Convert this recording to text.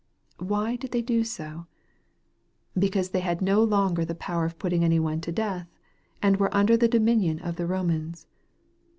Why did they do so ? Because they had no longer the power of putting any one to death, and were under the dominion of the Romans.